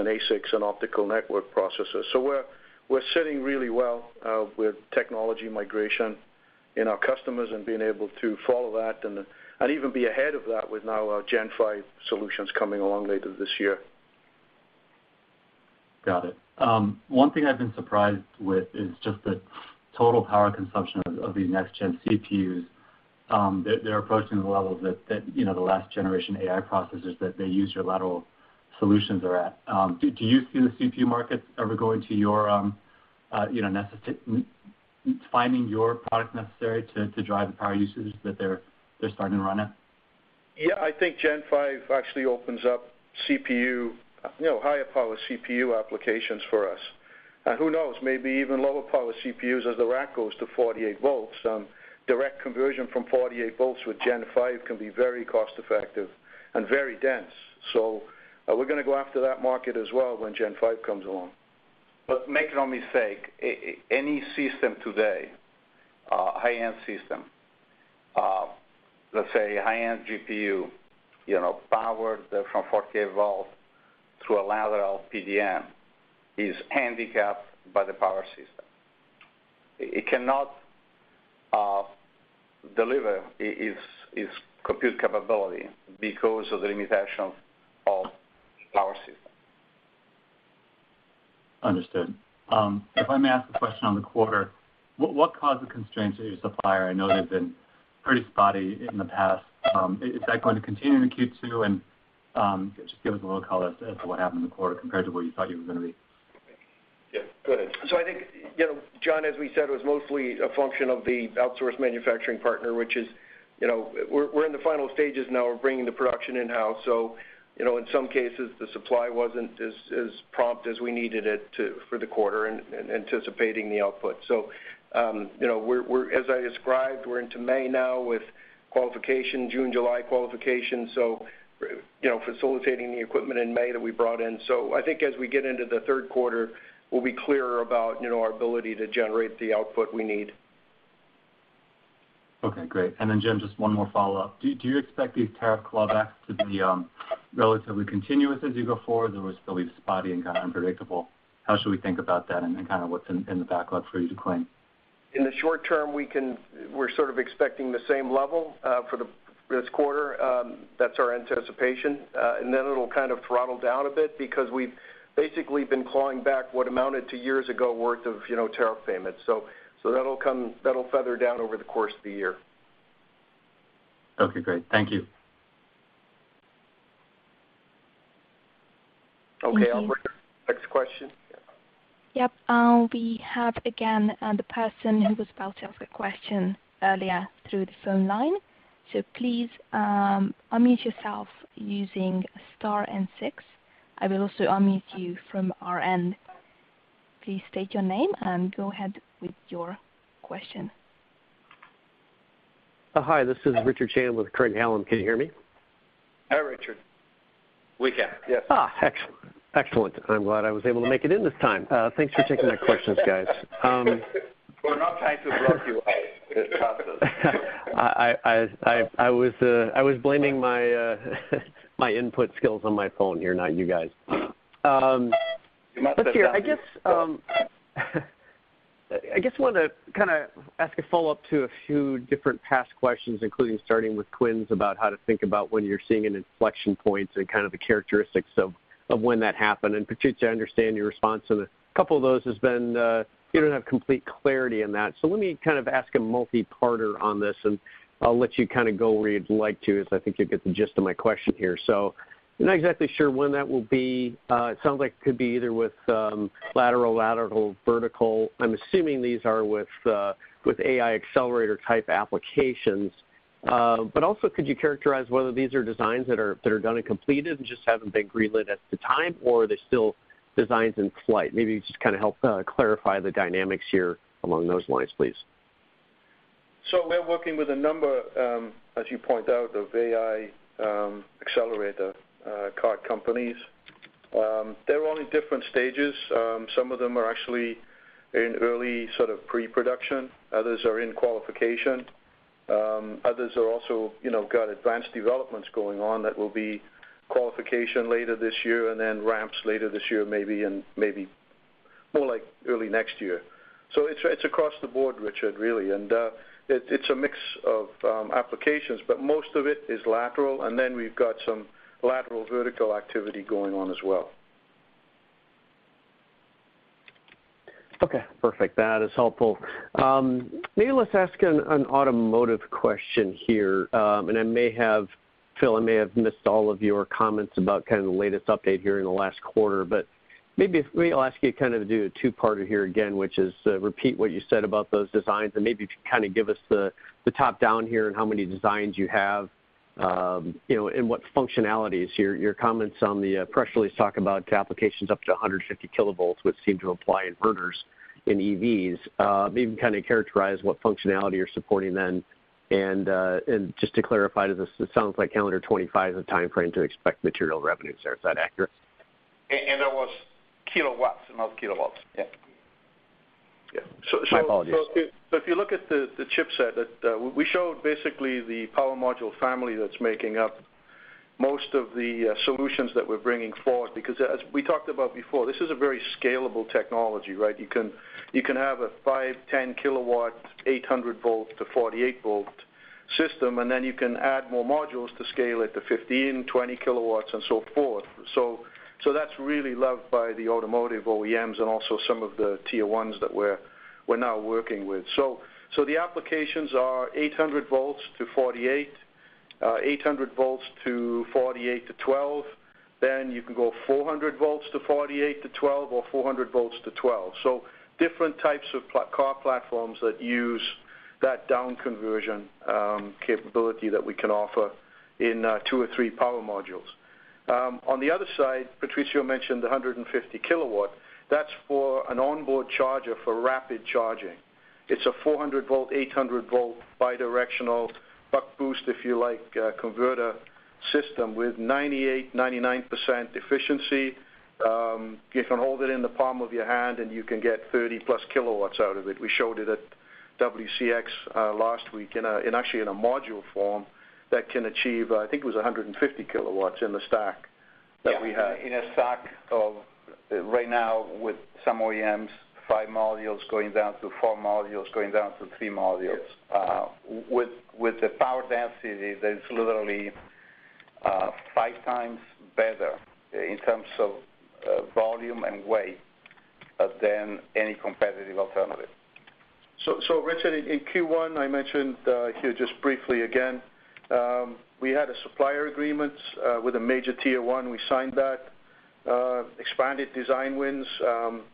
ASICs and optical network processors. we're sitting really well with technology migration in our customers and being able to follow that and even be ahead of that with now our Gen 5 solutions coming along later this year. Got it. One thing I've been surprised with is just the total power consumption of these next gen CPUs, that they're approaching the levels that, you know, the last generation AI processors that they use your lateral solutions are at. Do you see the CPU markets ever going to your, you know, finding your product necessary to drive the power usages that they're starting to run at? Yeah. I think Gen 5 actually opens up CPU, you know, higher power CPU applications for us. Who knows, maybe even lower power CPUs as the rack goes to 48 Volts. Direct conversion from 48 Volts with Gen 5 can be very cost effective and very dense. We're gonna go after that market as well when Gen 5 comes along. Make no mistake, any system today, high-end system, let's say high-end GPU, you know, powered from 48 Volt through a lateral PDN, is handicapped by the power system. It cannot deliver its compute capability because of the limitations of power system. Understood. If I may ask a question on the quarter, what caused the constraints of your supplier? I know they've been pretty spotty in the past. Is that going to continue in Q2? Just give us a little color as to what happened in the quarter compared to where you thought you were going to be. Yeah, go ahead. I think, you know, Joh, as we said, it was mostly a function of the outsourced manufacturing partner, which is, you know, we're in the final stages now of bringing the production in-house. You know, in some cases, the supply wasn't as prompt as we needed it for the quarter anticipating the output. You know, we're, as I described, we're into May now with qualification, June, July qualification, so, you know, facilitating the equipment in May that we brought in. I think as we get into the third quarter, we'll be clearer about, you know, our ability to generate the output we need. Okay, great. Jim, just one more follow-up. Do you expect these tariff clawbacks to be relatively continuous as you go forward, or will they still be spotty and kind of unpredictable? How should we think about that and then kind of what's in the backlog for you to claim? In the short term, we're sort of expecting the same level for this quarter. That's our anticipation. Then it'll kind of throttle down a bit because we've basically been clawing back what amounted to years ago worth of, you know, tariff payments. That'll feather down over the course of the year. Okay, great. Thank you. Okay, operator, next question. Yep. We have again, the person who was about to ask a question earlier through the phone line. Please unmute yourself using star and six. I will also unmute you from our end. Please state your name and go ahead with your question. Hi, this is Richard Shannon with Craig-Hallum. Can you hear me? Hi, Richard. We can, yes. Excellent. Excellent. I'm glad I was able to make it in this time. Thanks for taking my questions, guys. We're not trying to block you out. It happens. I was blaming my input skills on my phone here, not you guys. Let's see, I guess I wanted to kind of ask a follow-up to a few different past questions, including starting with Quinn's, about how to think about when you're seeing an inflection points and kind of the characteristics of when that happened. Patrizio, I understand your response on a couple of those has been, you don't have complete clarity on that. Let me kind of ask a multi-parter on this, and I'll let you kind of go where you'd like to, as I think you'll get the gist of my question here. You're not exactly sure when that will be. It sounds like it could be either with lateral vertical. I'm assuming these are with AI accelerator type applications. Could you characterize whether these are designs that are done and completed and just haven't been greenlit at the time, or are they still designs in flight? Maybe just kind of help, clarify the dynamics here along those lines, please. We're working with a number, as you point out, of AI accelerator card companies. They're all in different stages. Some of them are actually in early sort of pre-production. Others are in qualification. Others are also, you know, got advanced developments going on that will be qualification later this year and then ramps later this year, maybe more like early next year. It's, it's across the board, Richard, really. It's a mix of applications, but most of it is lateral. Then we've got some lateral vertical activity going on as well. Okay, perfect. That is helpful. Maybe let's ask an automotive question here. I may have missed all of your comments about kind of the latest update here in the last quarter. Maybe I'll ask you kind of to do a two-parter here again, which is, repeat what you said about those designs and maybe kind of give us the top down here and how many designs you have, you know, and what functionalities. Your comments on the press release talk about applications up to 150 kiloVolts, which seem to apply in inverters in EVs. Maybe you can kind of characterize what functionality you're supporting then. Just to clarify, this, it sounds like calendar 2025 is the timeframe to expect material revenues there. Is that accurate? That was kilowatts, not kilovolts. Yeah. Yeah. My apologies. If you look at the chipset that we showed basically the power module family that's making up most of the solutions that we're bringing forward, because as we talked about before, this is a very scalable technology, right? You can have a five, 10 kW, 800 Volt to 48 Volt system, and then you can add more modules to scale it to 15, 20 kW and so forth. That's really loved by the automotive OEMs and also some of the tier ones that we're now working with. The applications are 800 Volts to 48, 800 Volts to 48 to 12. You can go 400 Volts to 48 to 12 or 400 Volts to 12. Different types of car platforms that useThat down conversion capability that we can offer in two or three power modules. On the other side, Patrizio mentioned the 150 kW. That's for an onboard charger for rapid charging. It's a 400 Volt, 800 Volt bi-directional buck-boost, if you like, converter system with 98%, 99% efficiency. You can hold it in the palm of your hand, and you can get 30+ kW out of it. We showed it at WCX last week in actually in a module form that can achieve, I think it was 150 kW in the stack that we had. In a stock of right now with some OEMs, five modules going down to four modules, going down to three modules. Yes. With the power density, that's literally 5x better in terms of volume and weight than any competitive alternative. Richard, in Q1, I mentioned here just briefly again, we had a supplier agreement with a major tier one. We signed that, expanded design wins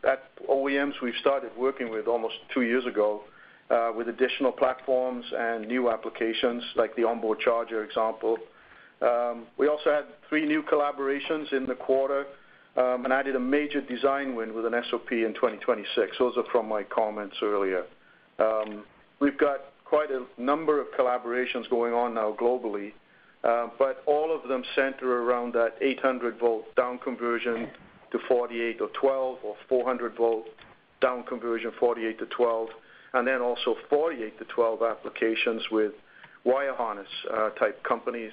at OEMs we've started working with almost two years ago, with additional platforms and new applications like the onboard charger example. We also had three new collaborations in the quarter, and added a major design win with an SOP in 2026. Those are from my comments earlier. We've got quite a number of collaborations going on now globally, but all of them center around that 800 Volt down conversion to 48 or 12 or 400 Volt down conversion, 48 to 12, and then also 48 to 12 applications with wire harness type companies,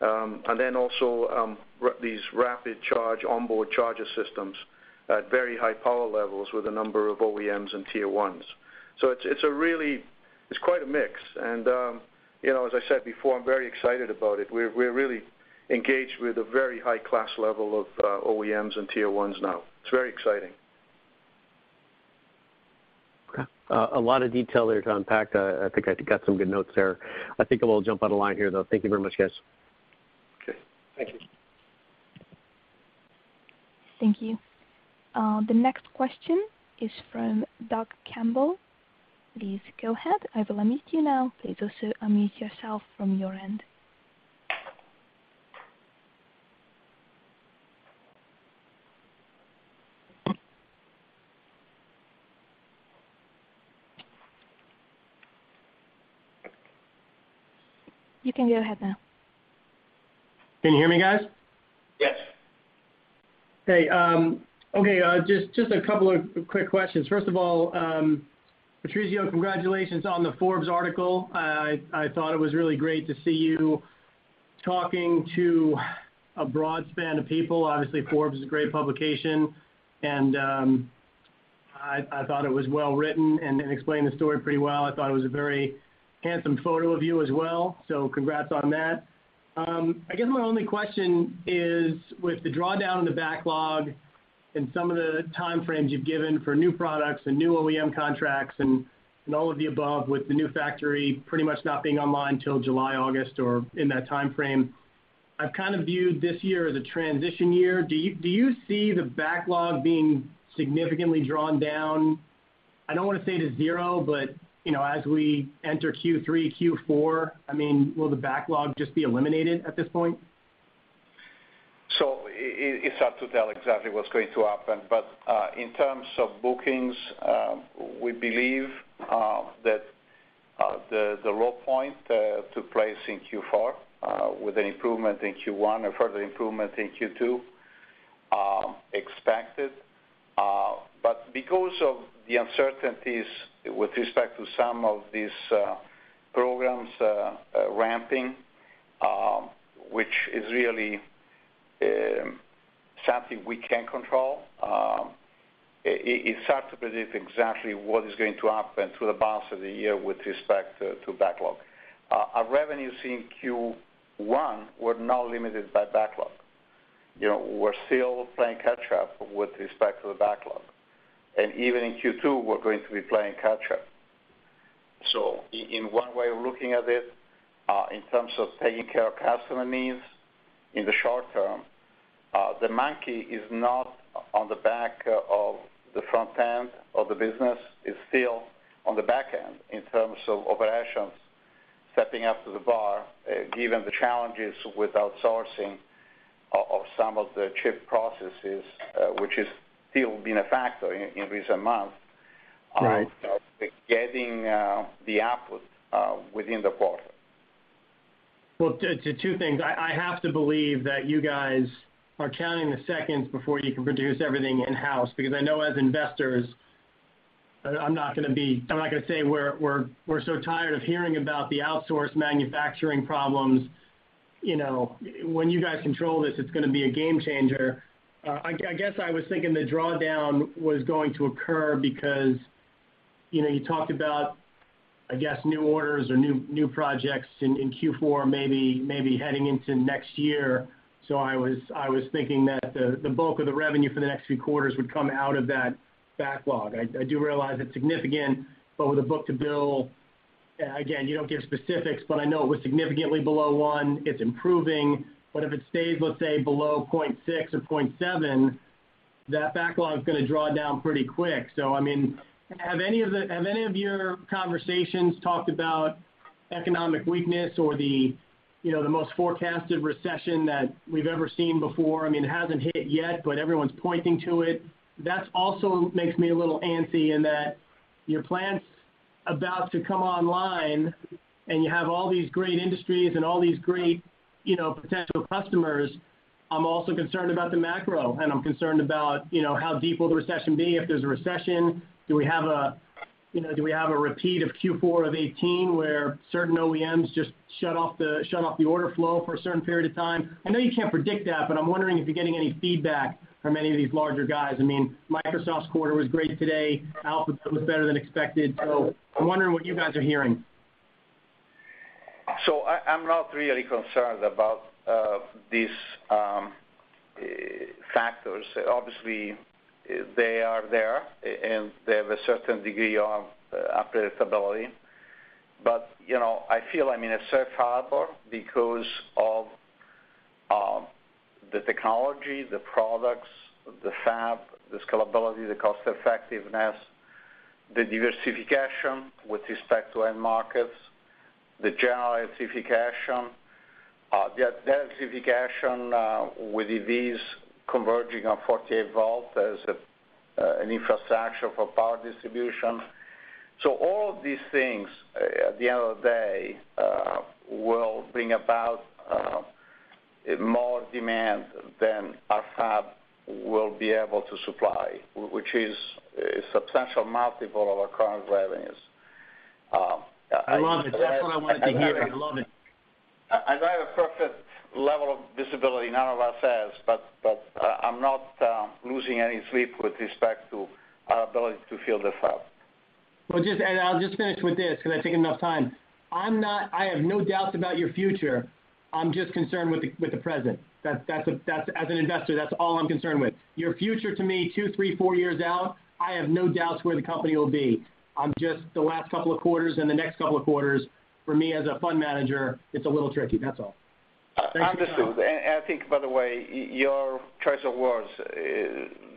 and then also these rapid charge onboard charger systems at very high power levels with a number of OEMs and tier ones. It's quite a mix. You know, as I said before, I'm very excited about it. We're really engaged with a very high class level of OEMs and tier ones now. It's very exciting. Okay. A lot of detail there to unpack. I think I got some good notes there. I think I will jump on the line here, though. Thank you very much, guys. Okay. Thank you. Thank you. The next question is from Doug Campbell. Please go ahead. I will unmute you now. Please also unmute yourself from your end. You can go ahead now. Can you hear me guys? Yes. Hey. Okay. Just a couple of quick questions. First of all, Patrizio, congratulations on the Forbes article. I thought it was really great to see you talking to a broad span of people. Obviously, Forbes is a great publication, and I thought it was well written and explained the story pretty well. I thought it was a very handsome photo of you as well, so congrats on that. I guess my only question is, with the drawdown in the backlog and some of the time frames you've given for new products and new OEM contracts and all of the above, with the new factory pretty much not being online till July, August or in that time frame, I've kind of viewed this year as a transition year. Do you see the backlog being significantly drawn down? I don't wanna say to zero, but, you know, as we enter Q3, Q4, I mean, will the backlog just be eliminated at this point? It's hard to tell exactly what's going to happen. In terms of bookings, we believe that the low point took place in Q4 with an improvement in Q1 and further improvement in Q2 expected. Because of the uncertainties with respect to some of these programs ramping, which is really something we can't control, it's hard to predict exactly what is going to happen through the balance of the year with respect to backlog. Our revenues in Q1 were now limited by backlog. You know, we're still playing catch up with respect to the backlog. Even in Q2, we're going to be playing catch up. In one way of looking at it, in terms of taking care of customer needs in the short term, the monkey is not on the back of the front end of the business, it's still on the back end in terms of operations stepping up to the bar, given the challenges with outsourcing of some of the chip processes, which has still been a factor in recent months. Right. Getting the output within the quarter. Well, two things. I have to believe that you guys are counting the seconds before you can produce everything in-house, because I know as investors, I'm not gonna say we're so tired of hearing about the outsourced manufacturing problems. You know, when you guys control this, it's gonna be a game changer. I guess I was thinking the drawdown was going to occur because, you know, you talked about, I guess, new orders or new projects in Q4, maybe heading into next year. I was thinking that the bulk of the revenue for the next few quarters would come out of that backlog. I do realize it's significant, but with the book-to-bill, again, you don't give specifics, but I know it was significantly below one. It's improving. If it stays, let's say, below 0.6 or 0.7, that backlog's going to draw down pretty quick. I mean, have any of your conversations talked about economic weakness or the, you know, the most forecasted recession that we've ever seen before? I mean, it hasn't hit yet, but everyone's pointing to it. That also makes me a little antsy in that your plant's about to come online, and you have all these great industries and all these great, you know, potential customers. I'm also concerned about the macro, and I'm concerned about, you know, how deep will the recession be, if there's a recession. Do we have a, you know, do we have a repeat of Q4 of 2018, where certain OEMs just shut off the order flow for a certain period of time? I know you can't predict that, but I'm wondering if you're getting any feedback from any of these larger guys. I mean, Microsoft's quarter was great today. Alphabet was better than expected. I'm wondering what you guys are hearing? I'm not really concerned about these factors. Obviously, they are there, and they have a certain degree of unpredictability. You know, I feel I'm in a safe harbor because of the technology, the products, the fab, the scalability, the cost effectiveness, the diversification with respect to end markets, the general intensification, the intensification, with EVs converging on 48 Volt as an infrastructure for power distribution. All of these things, at the end of the day, will bring about more demand than our fab will be able to supply, which is a substantial multiple of our current revenues. I love it. That's what I wanted to hear. I love it. I don't have a perfect level of visibility, none of us has, but I'm not losing any sleep with respect to our ability to fill the fab. Well, I'll just finish with this because I took enough time. I have no doubts about your future. I'm just concerned with the present. That's, as an investor, that's all I'm concerned with. Your future to me two, three, four years out, I have no doubts where the company will be. Just the last couple of quarters and the next couple of quarters for me as a fund manager, it's a little tricky, that's all. Understood. Thank you, Doug. I think, by the way, your choice of words,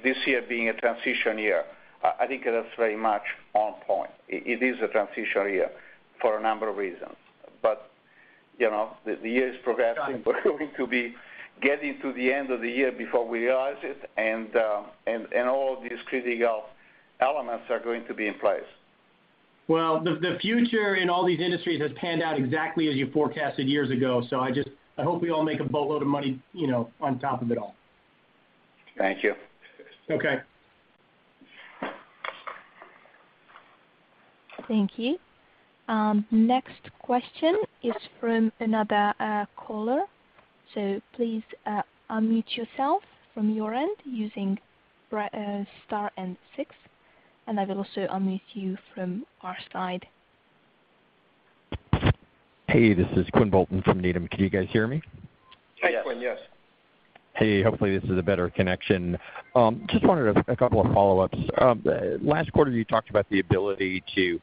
this year being a transition year, I think that's very much on point. It is a transition year for a number of reasons. You know, the year is progressing. Got it. We're going to be getting to the end of the year before we realize it, and all these critical elements are going to be in place. Well, the future in all these industries has panned out exactly as you forecasted years ago, so I hope we all make a boatload of money, you know, on top of it all. Thank you. Okay. Thank you. Next question is from another caller. Please unmute yourself from your end using star and six, and I will also unmute you from our side. Hey, this is Quinn Bolton from Needham. Can you guys hear me? Yes. Hi, Quinn. Yes. Hey. Hopefully, this is a better connection. Just wanted a couple of follow-ups. Last quarter, you talked about the ability to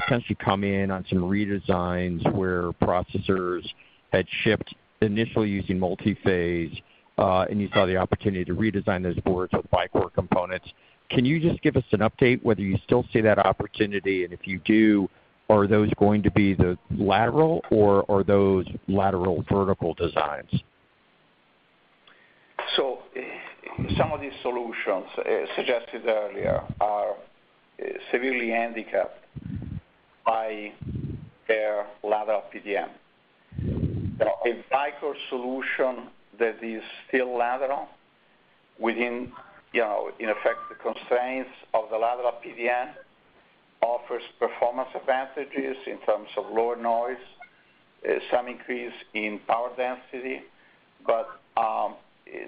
potentially come in on some redesigns where processors had shipped initially using multi-phase, and you saw the opportunity to redesign those boards with Vicor components. Can you just give us an update whether you still see that opportunity? If you do, are those going to be the lateral or are those lateral vertical designs? Some of these solutions suggested earlier are severely handicapped by their lateral PDN. A Vicor solution that is still lateral within, you know, in effect, the constraints of the lateral PDN offers performance advantages in terms of lower noise, some increase in power density, but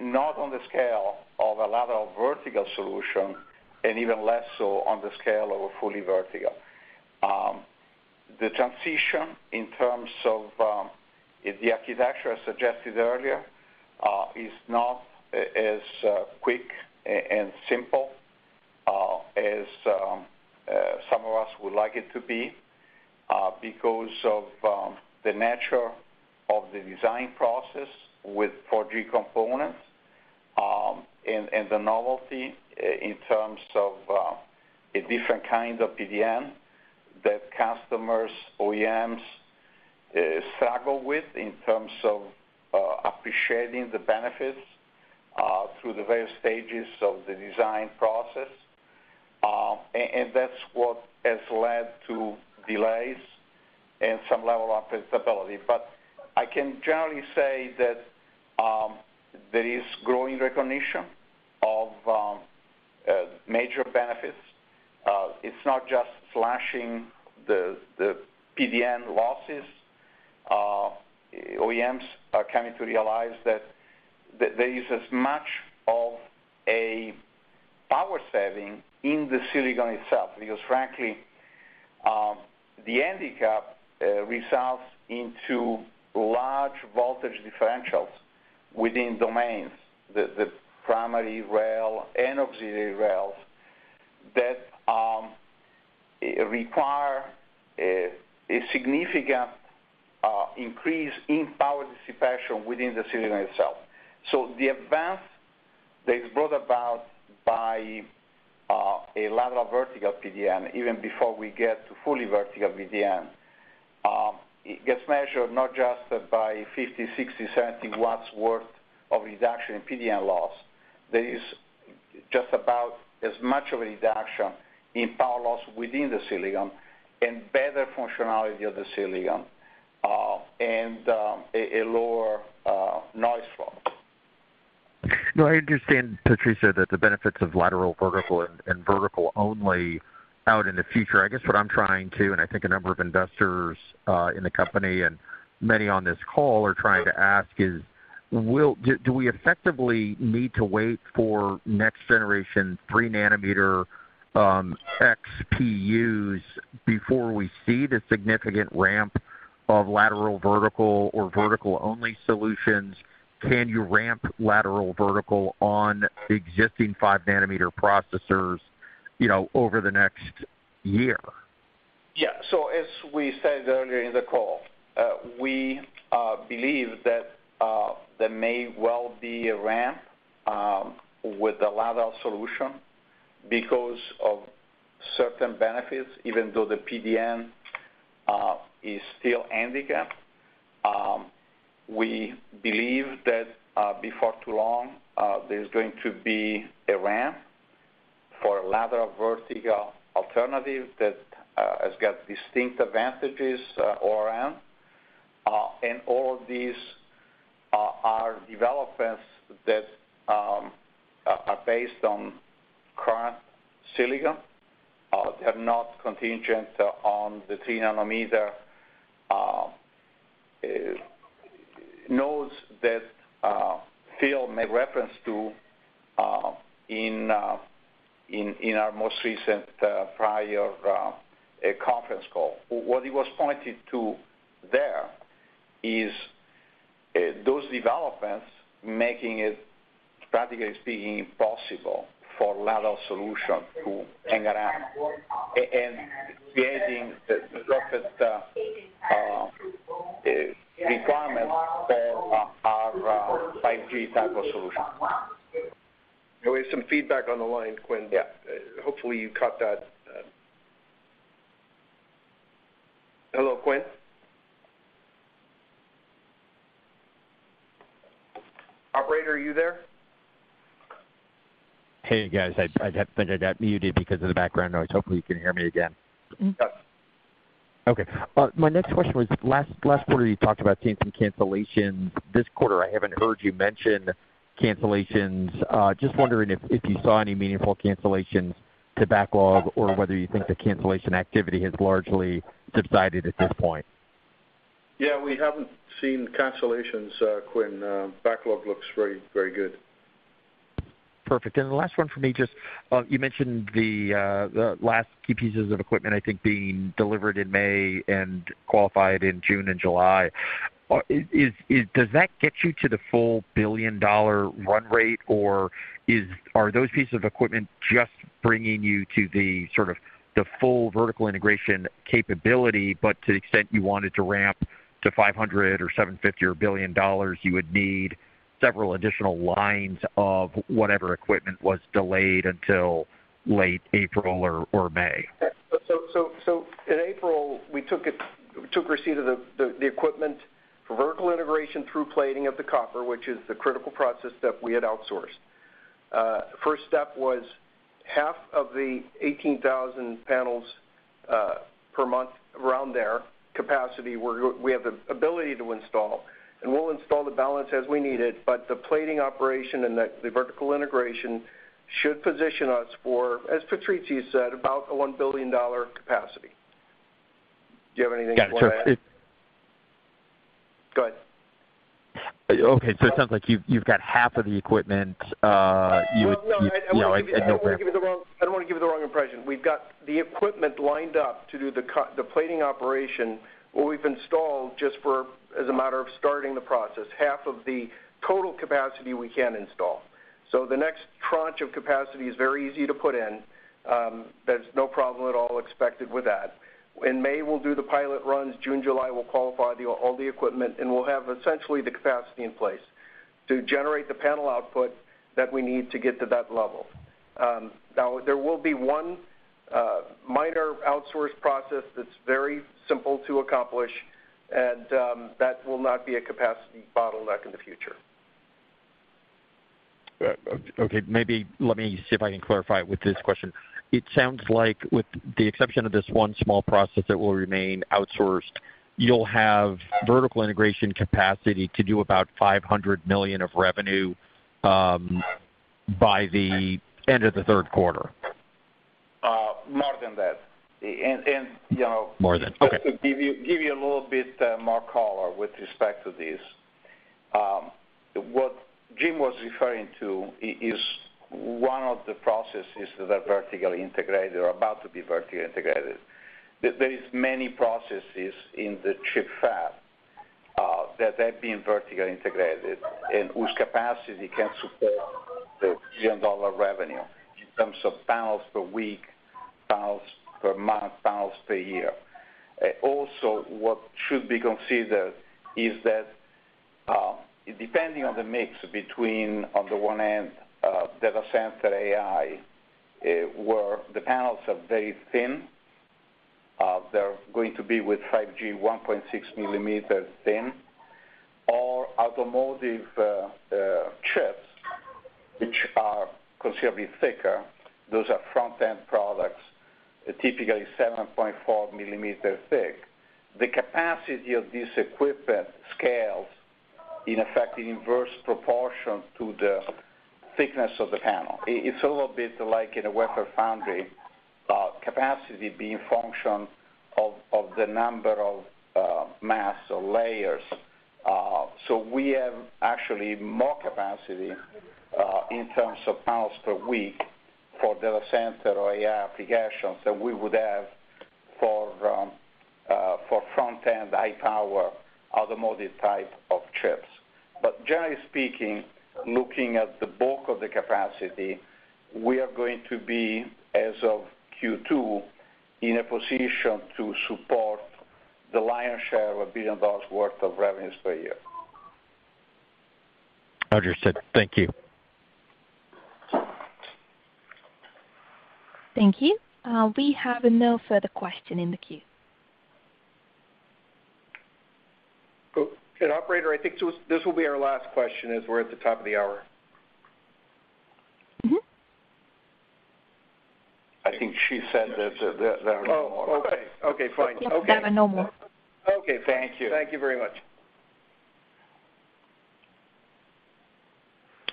not on the scale of a lateral vertical solution, and even less so on the scale of a fully vertical. The transition in terms of the architecture I suggested earlier is not as quick and simple as some of us would like it to be because of the nature of the design process with 4G components, and the novelty in terms of a different kind of PDN that customers, OEMs struggle with in terms of appreciating the benefits through the various stages of the design process. That's what has led to delays and some level of instability. I can generally say that there is growing recognition of major benefits. It's not just slashing the PDN losses. OEMs are coming to realize that there is as much of a power saving in the silicon itself, because frankly, the handicap results into large voltage differentials within domains, the primary rail and auxiliary rails that require a significant increase in power dissipation within the silicon itself. The advance that is brought about by a lateral vertical PDN, even before we get to fully vertical PDN, it gets measured not just by 50, 60, 70 W worth of reduction in PDN loss. There is just about as much of a reduction in power loss within the silicon and better functionality of the silicon, and a lower noise floor. No, I understand, Patrizio, that the benefits of lateral vertical and vertical only out in the future. I guess what I'm trying to, and I think a number of investors, in the company and many on this call are trying to ask is, do we effectively need to wait for next generation 3-nm XPUs before we see the significant ramp of lateral vertical or vertical-only solutions? Can you ramp lateral vertical on existing 5-nm processors, you know, over the next year? As we said earlier in the call, we believe that there may well be a ramp with the lateral solution because of certain benefits, even though the PDN is still handicapped. We believe that before too long, there's going to be a ramp for a lateral vertical alternative that has got distinct advantages all around. All these are developments that are based on current silicon, they are not contingent on the 3-nm nodes that Phil made reference to in our most recent prior conference call. What he was pointing to there is those developments making it, practically speaking, impossible for lateral solution to hang around and creating the sort of requirements for our 5G type of solution. There was some feedback on the line, Quinn. Yeah. Hopefully you caught that. Hello, Quinn? Operator, are you there? Hey, guys. I'd had been muted because of the background noise. Hopefully you can hear me again. Yes. Okay. My next question was last quarter you talked about seeing some cancellations. This quarter, I haven't heard you mention cancellations. Just wondering if you saw any meaningful cancellations to backlog or whether you think the cancellation activity has largely subsided at this point. Yeah. We haven't seen cancellations, Quinn. Backlog looks very, very good. Perfect. The last one for me, just, you mentioned the last key pieces of equipment, I think, being delivered in May and qualified in June and July. Does that get you to the full $1 billion run rate, or are those pieces of equipment just bringing you to the sort of the full vertical integration capability, but to the extent you wanted to ramp to $500 million or $750 million or $1 billion, you would need several additional lines of whatever equipment was delayed until late April or May? In April, we took receipt of the equipment for vertical integration through plating of the copper, which is the critical process that we had outsourced. First step was half of the 18,000 panels, per month around there capacity, we have the ability to install, and we'll install the balance as we need it. The plating operation and the vertical integration should position us for, as Patrizio said, about a $1 billion capacity. Do you have anything you want to add? Got it. Go ahead. Okay. It sounds like you've got half of the equipment. No, I don't want to give you the. Yeah, okay. I don't want to give you the wrong impression. We've got the equipment lined up to do the plating operation, what we've installed just for as a matter of starting the process, half of the total capacity we can install. The next tranche of capacity is very easy to put in. There's no problem at all expected with that. In May, we'll do the pilot runs. June, July, we'll qualify all the equipment, and we'll have essentially the capacity in place to generate the panel output that we need to get to that level. Now there will be one minor outsourced process that's very simple to accomplish, and that will not be a capacity bottleneck in the future. Okay. Maybe let me see if I can clarify with this question. It sounds like with the exception of this one small process that will remain outsourced, you'll have vertical integration capacity to do about $500 million of revenue by the end of the third quarter. more than that. you know. More than. Okay. To give you a little bit more color with respect to this. What Jim was referring to is one of the processes that are vertically integrated or about to be vertically integrated. There is many processes in the chip fab that have been vertically integrated and whose capacity can support the $1 billion revenue in terms of panels per week, panels per month, panels per year. Also, what should be considered is that, depending on the mix between, on the one end, data center AI, where the panels are very thin, they're going to be with 5G 1.6 mm thin or automotive chips which are considerably thicker. Those are front-end products, typically 7.4 mm thick. The capacity of this equipment scales in effect in inverse proportion to the thickness of the panel. It's a little bit like in a wafer foundry, capacity being function of the number of masks or layers. We have actually more capacity in terms of panels per week for data center or AI applications than we would have for front-end high power automotive type of chips. Generally speaking, looking at the bulk of the capacity, we are going to be, as of Q2, in a position to support the lion's share of $1 billion worth of revenues per year. Understood. Thank you. Thank you. We have no further question in the queue. operator, I think so this will be our last question as we're at the top of the hour. Mm-hmm. I think she said that there are no more. Oh, okay. Okay, fine. Okay. There were no more. Okay. Thank you. Thank you very much.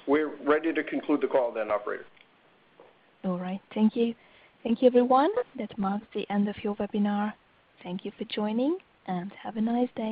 We're ready to conclude the call then, operator. All right. Thank you. Thank you, everyone. That marks the end of your webinar. Thank you for joining, and have a nice day.